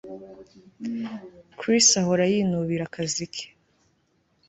Chris ahora yinubira akazi ke